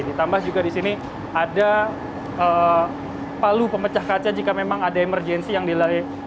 ditambah juga disini ada palu pemecah kaca jika memang ada emergency yang dilalui